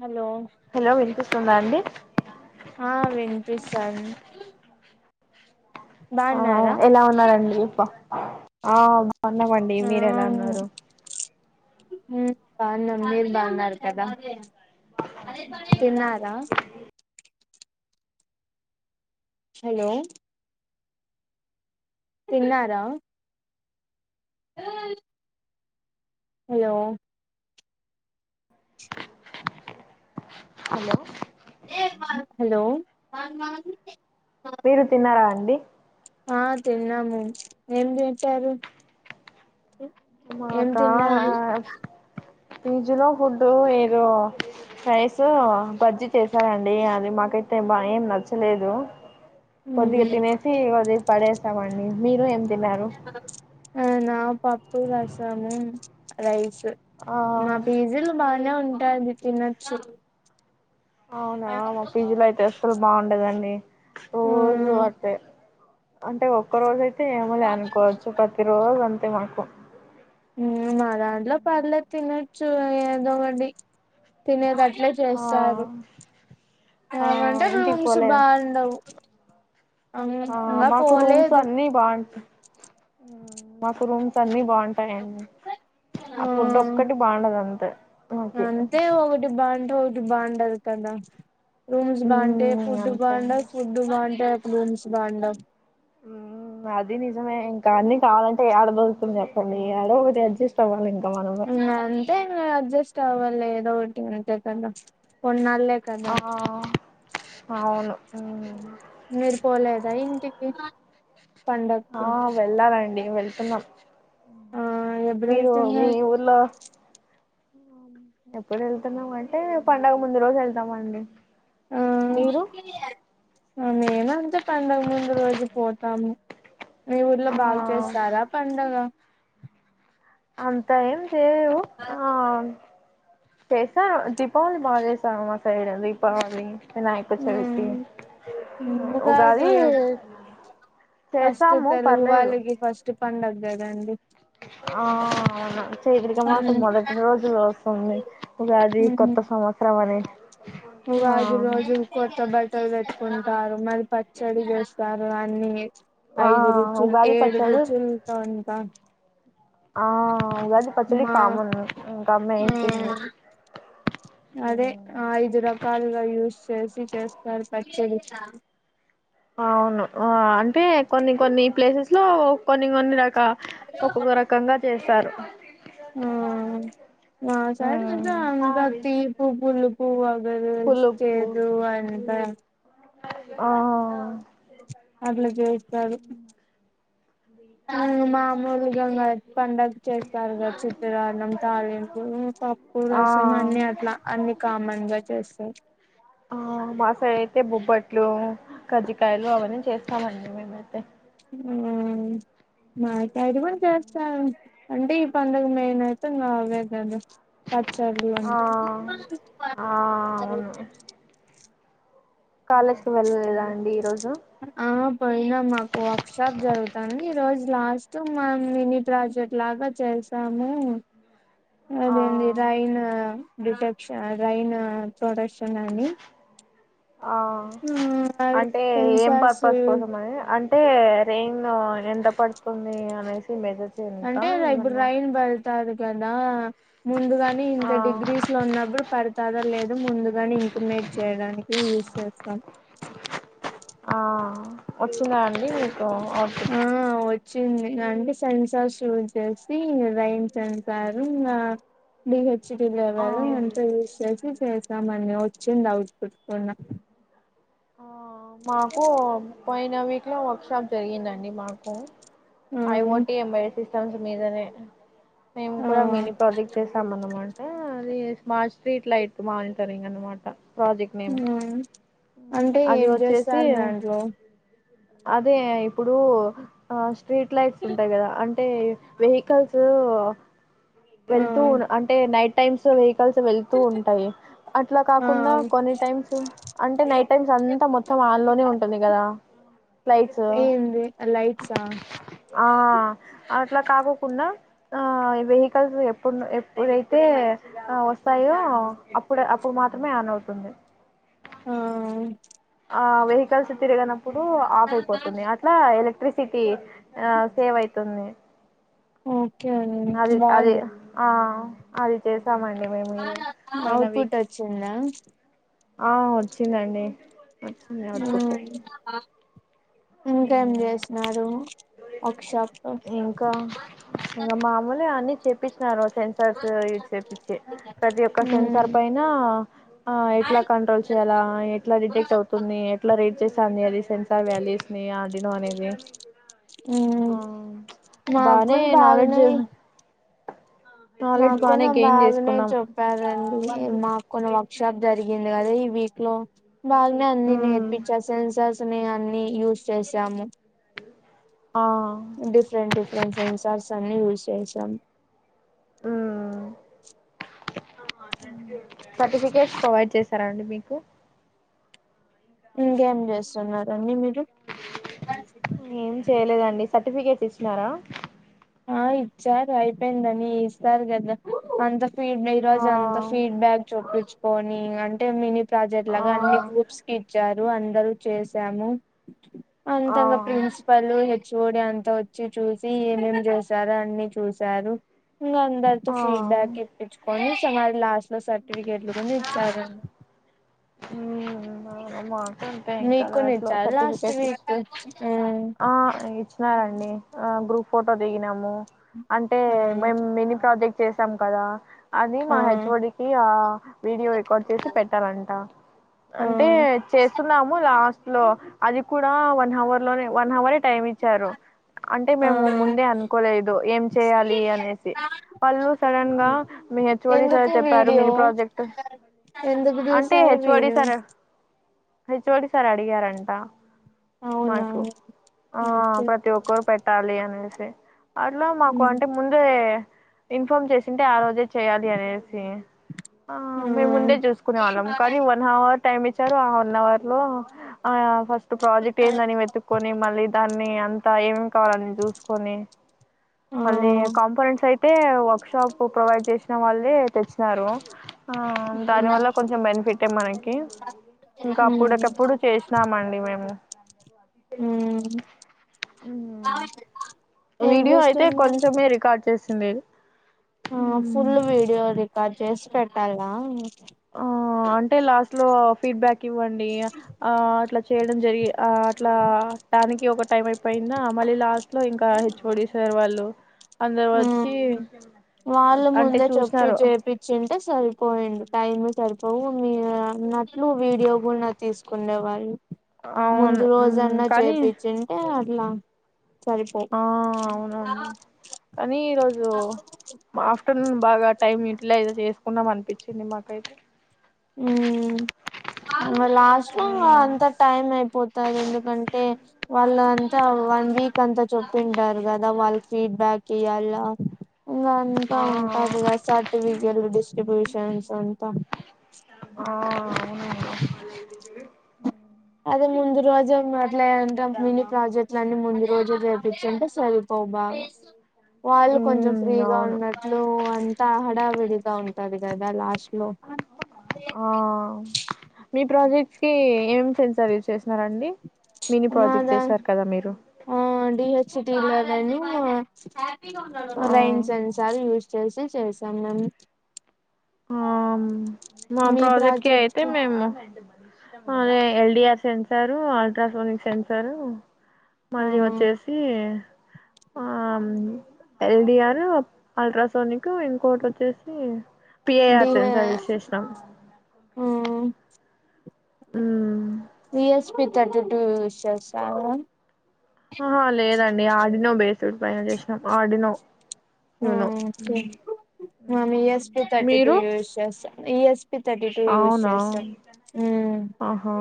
Hello hello వినిపిస్తుందా అండి ఆ విన్ పిస్తోంది ఆ ఎలా ఉన్నారండి ఆ బాగున్నామండి మీరు ఎలా ఉన్నారు మ్మ్ బానే ఉన్నాం మీరు బాగున్నారు కదా తిన్నారా హలో తిన్నారా అ హలో హలో హలో మీరు తిన్నారా అండి ఆ తిన్నాము ఏం పెట్టారు ఏం మాకా తిన్నారు ఫీజ్ లో ఫుడ్ ఏదో రైస్ బజ్జీ చేసాం అండి అది మాకైతే ఏం నచ్చలేదు కొద్దిగా తినేసి కొద్దిగా పడేసామండి మీరు ఏం తిన్నారు నీన పప్పు రసము రైస్ మా ఆ పిజీలో బాగా నే ఉంటాది తినొచ్చు అవునా మా పీజీలో అయితే అసలు బాగుండదండి రోజూ అంతే అంటే ఒక్క రోజు అయితే ఏమో లే అనుకోవచ్చు ప్రతి రోజు అంతే మాకు మ్మ్ దాంట్లో పర్లేదు తినొచ్చు ఏదో ఒకటి తినేది ఆ చేస్తారు ఆ ఏమంటే ఇంటికి రూమ్స్ పోలే బాగుండవు ఆ ఇంగా మాకు రూమ్స్ పోలేదు అన్ని బాగుంటా మాకు రూమ్స్ అన్ని బాగుంటాయండి ఆ ఫుడ్ ఒక్కటి బాగుండదు అంతే మాకి అంతే ఒకటి బాగుంటే ఒకటి బాగుండదు కదా రూమ్స్ బాగుంటే మ్మ్ ఫుడ్ అంతే అండి బాగుండదు ఫుడ్ బాగుంటే రూమ్స్ బాగుండవ్ మ్మ్ అది నిజమే ఇంకా అన్ని కావాలంటే యడ దొరుకుతుందో అర్థమే కాదు యాడొ ఒకటి అడ్జస్ట్ అవాలి ఇంకా మనము కావల్ల ఏదో ఒకటి అంత కన్న [unintelligible] ఆ అవును మీరు పోలేదా ఇంటికి ఆ పండక్కి వెళ్ళాలండి వెళ్తున్నాం ఆ ఎప్పుడు మీరు మీ వెళ్తున్నారు ఊర్లో ఎప్పుడు వెళ్తున్నాం అంటే పండుగ ముందు రోజు వెళ్తామ అండి ఓ నిను అంతే పండుగ ముందు రోజు పోతాను మీ ఊర్లో ఆ బాగు చేస్తారా పండుగ అంతా ఏం నాకు [unintelligible] చేసా దీపావళి బాగ చేస్తా మండి మా సైడ్ మిగతా వాన్ని వినాయకచవితి ఉమ్ ఉగాది చేసాము పర్లేదు పస్ట్ పండుగ కదండి అ అవును చైత్రిక మాసం ఉమ్ మొదటి రోజున వస్తుంది ఉగాది కొత్త సంవత్సరం అని ఉగాది ఆ రోజు కొత్త బట్టలు కట్టు కుంటారు మరి పచ్చడి చేస్తారు అన్ని ఆ ఐదు రుచులు ఉగాది ఏడు పచ్చడి రుచుల పంట ఆ ఉగాది పచ్చడి కమెన్ ఏ ఇంకా ఆ నిను తిన్ను అదే ఐదు రకాలుగా యూస్ ఎసి చేస్తారు పచ్చడి అవును అంటే కొన్ని కొన్ని ప్లేసెస్ లో కొన్ని కొన్ని రక ఒక్కొక్క రకంగా చేస్తారు ఆ మా [unintelligible] తీపు పులుపు పులుపు చేదు అంట ఆ అట్లా జెస్తది మ్ మామూలుగాంగ పండగ చేస్తారు కద చిత్రానం తాళింపు పప్పు పు ఆ రసం అన్ని అట్లా అన్ని కామన్ గా చేస్తాయి ఆ మా సైడ్ అయితే బొబ్బట్లు కజ్జికాయలు అవన్నీ చేస్తామండి మేమైతే మ్ మా సైడ్ కూడా చేస్తారు అంటే ఈ పండుగ మేయిన్ అయితే ఇంకా అవే కదా పచ్చర్లు ఆ అండి ఆ అవును కాలేజ్కి వెళ్ళలేదా అండి ఈరోజు ఆ పోయినా మాకు వర్క్షాప్ జరుగుతాంది ఈ రోజ్ లాస్ట్ మం మినీ ప్రాజెక్ట్ లాగా చేసాము అదేంది ఆ రైన్ డిటెక్ రైన్ ప్రొడక్షన్ అని ఆ అది అంటే ఏం సెన్సార్స్ పర్పస్ యూస్ కోసం అది అంటే రెయిన్ ఎంత పడుతుంది అనేసి మెజర్ చేయనికా ఏమన్న కాదు కదా ముందుగాని ఆ ఇంత డిగ్రీస్ లో ఉన్నప్పుడు పడతాదో లేదు ముందుగాని ఇం ఇంటిమేట్ చేయడానికి యూస్ చేస్తాం ఆ వచ్చిందా అండి మీకు ఔట్పుట్ ఆ వచ్చింది అంటే సెన్సార్ షూస్ చేసి రైన్ సెన్సార్ ఇంకా లి హెచ్ చ్చటీలు ఆ ఎవరు అంత యూస్ చేసి చేశామండి వచ్చింది ఔట్పుట్ కూడా ఆ మాకు పోయిన వీక్ లో వర్క్ షాప్ జరిగిందండి మాకు ఆ I O T embedded systems మీదనే మేము ఆ కూడా మిని ప్రాజెక్ట్ చేసాం అన్నమాట అది స్మార్ట్ స్ట్రీట్ లైట్ మానిటరింగ్ అన్నమాట మ్ అంటే అది ఏం వచ్చేసి చేస్తారు దాంట్లో అదే ఇప్పుడు ఆ స్ట్రీట్ లైట్స్ ఉంటాయి కదా అం టె వెహికల్స్ ఆ వెళ్తూ అంటే నైట్ టైమ్స్ వెహి కల్స్ వెళ్తూ ఉంటాయి అట్లా ఆ కాకుండా కొన్ని టైమ్స్ అంటే నైట్ టైమ్స్ అంత మొత్తం వాన్ లోనే ఉంటుంది కదా ఫ్లైట్స్ ఏంది లైట్సా ఆ అట్లా కాకోకుండా ఆ వెహి కల్స్ ఎప్పుడు ఎప్పుడైతే వస్తాయో అప్పుడు అప్పుడు మాత్రమే ఆన్ అవుతుంది ఆ ఆ వెహికల్స్ తిరిగనప్పుడు ఆఫ్ అయిపోతుంది అట్లా ఎలక్ట్రిక్ సిటి ఆ సేవ్ అవుతుంది ఓకే అండి అది అది బాగుంది ఆ అది చే స్తామండి మేము మీరు పోయిన అవుట్పుట్ వీక్ వచ్చిందా ఆ వచ్చిందండి వచ్చింది ఔట్పుట్ ఇంకేం చేసినారు వర్క్ షాప్ లో ఇంకా ఇంకా మామూలే అన్ని చేపించినారు సెన్సార్స్ యూజ చేపిచ్చి ప్రతి ఒక్క సెన్సార్ పైన ఆ ఎట్లా కంట్రోల్ చేయాల ఎట్లా డిటెక్ట్ అవుతుంది ఎట్లా రేట్ చే సందది సెన్సార్ వాల్యూస్ ని అడినోనివి ఆ మా బానే అక్కను నాలెడ్జ్ నాలెడ్జ్ బానే మాకున్న గెయిన్ బాగానే చేసుకున్నాం చెప్పారండి మాకున్న వర్షాప్ జరిగింది కదా ఈ వీక్ లో బాగానే అన్ని ఉమ్ నేర్పించారు సెన్సార్ నీ అన్ని యూస్ చేసాము ఆ డిఫరెంట్ డిఫరెంట్ సెన్సార్స్ అన్ని యూస్ చేశాం సర్టిఫికెట్స్ ప్రొవైడ్ చేశారాండి మీకు ఇంకేం చూస్తున్నరండి మీరు ఏం చేయలేదండి సర్టిఫికేట్ ఇచ్చినారా ఆ ఇచ్చారు అయిపోయిందని ఇస్తారు గదా అంత ఫీడ్ ఆ ఈరోజు అంత ఫీడ్ బ్యాక్ చూపించుకొని అంటే మీ ప్రాజెక్ట్ ఆ లాగా అన్ని గ్రూప్స్ కి ఇచ్చారు అందరూ చేసాము ఆ అంతంగా ప్రిన్సిపల్ హెచ్ఓడి అంతా వచ్చి చూసి ఏమేం చేశారా అన్ని చూసారు ఇంగ అందరితో ఆ ఫీడ్బ్యాక్ ఇప్పించుకొని సుమారు లాస్ట్ సర్టిఫికెట్లు కొన్ని ఇచ్చారు మా మాకు అంతే ఇంకా మీకు కదా కూడా అసలు ఇచ్చారు లాస్ట్ సర్టిఫికేట్స్ వీక్ ఆ ఆ ఇచ్చినారండి ఆ గ్రూప్ ఫోటో దిగినమూ అంటే ఆ మేము మిని ప్రాజెక్ట్ చేసాం కదా అది మా హెచ్ఓడికి ఆ వీడియో రికార్డ్ చేసి పెట్టాలంటా ఆ అంటే చేస్తున్నాము లాస్ట్ లో అది కూడా వన్ అవర్ లోనే వన్ అవరే టైమ్ ఇచ్చారు అంటే ఆ మేము ముందే అనుకోలేదు ఏం చేయాలి అనేసి వాళ్ళు సడన్ గా మీ హెచ్చుఓడి సార్ ఎందుకు చెప్పారు మిని వీడియో ప్రాజెక్ట్ ఎందుకు అంటే చేశారు హెచ్ఓడి వీడు సార్ హెచ్ఓడి సార్ అడిగారంట అవునా మాకు ఆ ఓకే ప్రతి ఒక్కరు పెట్టాలి అనేసి అట్లా మాకు అంటే ముందే ఇన్ ఫాం చేసింటే ఆ రోజే చేయాలి అనేసి ఆ మేము ముందే చూసుకునే వాళ్ళం కానీ వన్ హవర్ టైమ్ ఇచ్చారు ఆ వన్ అవర్ లో ఆ ఫస్ట్ ప్రాజెక్ట్ ఏందని వెతు మళ్లి దాన్ని అంత ఏం ఏమేం కావాలి చూసుకొని ఆ మళ్లి కాన్ఫిడెన్స్ అయితే వర్క్ షాప్ ప్రొవైడ్ చేసిన వాళ్ళే తెచ్చారు ఆ దాని వల్ల కొంచెం బెనిఫిటే మనకి ఇంకా ఉమ్ అప్పుడకప్పుడు చేసినామండి మేము ఉ్మ్ ఏం వీడియో అయితే చేస్తున్నారు కొంచమే రికార్డ్ చేస్తుండేది ఆ ఫుల్ వీడియో రికార్డ్ చేసి పెట్టాలా ఆ అంటే లాస్ట్ లో ఫీడ్బ్యాక్ ఇవ్వండి ఆ అట్లా చేయడం జరిగి ఆ అట్లా దానికి ఒక టైం అయిపోయిందా మళ్ళీ లాస్ట్ లో ఇంకా హెచ్ఓడి సార్ వాళ్ళు అందరు వచ్చి వాళ్ళు అంటే ముందే చెప్పి చూసినారు చేపిచ్చింటే సరిపోయేది టైమ్ సరిపోవు మీరు అన్నట్లు వీడియో కూడా తీసుకునే వాళ్ళు అవును ముందు మ్మ్. రోజన్నా కానీ చేపిచ్చింటే లా సరిపోవు ఆ క అవునవును కానీ ఈరోజు ఆఫ్టర్నూన్ బాగా టైం యూటిలైజ్ చేసుకున్నాం అనిపించింది మాకైతే ఉమ్మ్ ఇంగ లాస్ట్ మ్మ్. అంత టైం అయిపోతాది ఎందుకంటే వాళ్ళ అంతా వన్ వీక్ అంతా చెప్పింటారు కదా వాళ్ళు ఫీడ్బ్యాక్ ఇయ్యాల ఇంకా అంతా ఆ ఉంటది గా సర్టిఫికెట్ డిస్ట్రిబ్యూషన్స్ అంతా ఆ అవునా అదే ముందు రోజే మాట్లా దాని మిని ప్రాజెక్టులన్నీ ముందు రోజు చేర్పించింటే సరిపోవు బాగ వాళ్ళు కొంచెం హ్మ్ ఫ్రీగా అవును ఉన్నట్లు అంతా హడావిడిగా ఉంటాది కదా లాస్ట్ లో ఆ మీ ప్రాజెక్ట్స్ కి ఏం సెన్సర్ యూస్ చేస్తా రండి మిని ప్రాజెక్ట్ మాదా చేశారు కదా మీరు లర్ అనూ ఆ రైన్స్ అని సార్ చూ చేసా చేసా అన ఉమ్మ్ మా ప్రాజెక్ట్ కి అయితే మేము అ ఎల్డిఆర్ సెన్సారు అల్ట్రాసోనిక్ సెన్సారు ఆ మళ్ళీ వచ్చేసి ఆ ఆ ఎల్ డి ఆర్ అల్ట్రాసౌనిక్ ఇంకోటొచ్చేసి పి ఐ ఆర్ డిహె చెన్సార్ యూస్ చేసినం ఆ మ్మ్ P S P thirty two use చేస్తాము ఆహ లేదండి ఆడినో బేస్ పైన చేసినాం Arduino okay E S P thirty two మీరు యూస్ చేస్త U S thirty two use అవునా చేస్త ఉమ్ ఆహా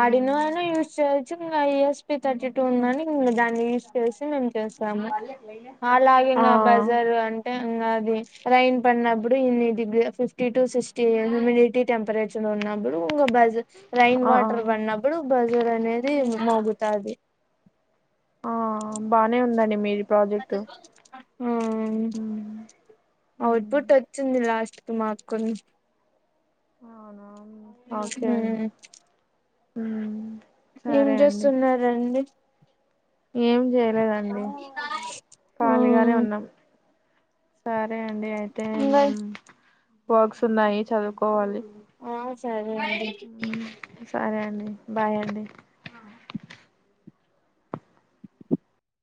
ఆడినో అన యూస్ చెయ్ E S P thirty two ఉన్నాని ఇంగ దాన్ని యూస్ చేసి మేము చేసాము ఆ అలాగింగ బజారు అంటే ఇంగది అది రైన్ పడినప్పుడు ఇన్ని degree fifty to sixty humidity temperature నబుడు ఇంగ బజ్ రైన్ ఆ వాటర్ పడినప్పుడు బజర్ అనేది మోగుతాది ఆ బానే ఉందండి మీరు మ్మ్. ఆ మ్మ్. ఔట్పుట్ వచ్చింది లాస్ట్ టు మాకున్ అవునా ఓకే అండి ఏం సరే అండి చేస్తున్నరండి ఏం జెయలేదండి ఆ కాలీగానే ఉన్నాం సరే అండి అయితే ఇంగ వొర్క్స్ ఉన్నాయి చదువుకోవాలి ఆ సరే అండి మ్మ్. సరే అండి బాయ్ అండి